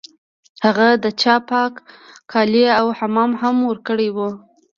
هغه ته چا پاک کالي او حمام هم ورکړی و